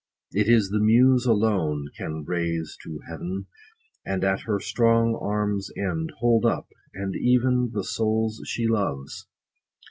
It is the Muse alone, can raise to heaven, And at her strong arm's end, hold up, and even, The souls she loves.